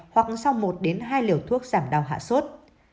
hoặc sau một đến hai liều thuốc giảm đau hạ sốt